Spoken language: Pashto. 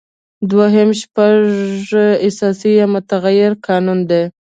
دوهم شپږ اساسي یا معتبر قوانین دي.